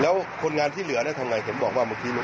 แล้วคนงานที่เหลือเนี่ยทำไงเห็นบอกว่าเมื่อกี้